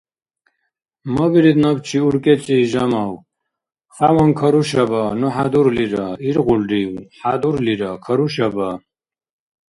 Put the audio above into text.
Мабирид набчи уркӀецӀи, Жамав! Хяван карушаба. Ну хӀядурлира. Иргъулрив? ХӀядурлира! Карушаба!